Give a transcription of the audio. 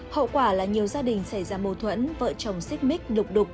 hậu quả là nhiều gia đình xảy ra mâu thuẫn vợ chồng xích mít lục đục